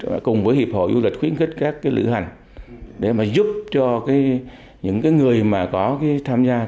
điệp hội du lịch khuyến khích các lựa hành để mà giúp cho những người mà có tham gia